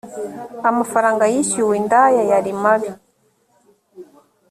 amafaranga yishyuwe indaya yarimabi